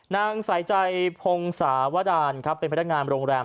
นางสายใจพงศาวดานครับเป็นพนักงานโรงแรม